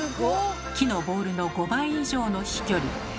木のボールの５倍以上の飛距離。